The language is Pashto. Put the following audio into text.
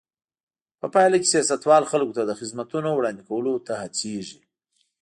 په پایله کې سیاستوال خلکو ته د خدمتونو وړاندې کولو ته هڅېږي.